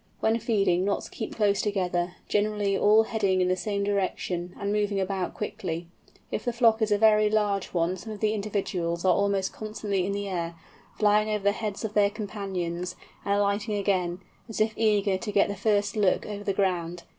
When feeding Knots keep close together, generally all heading in the same direction, and moving about quickly. If the flock is a very large one some of the individuals are almost constantly in the air, flying over the heads of their companions, and alighting again, as if eager to get the first look over the ground.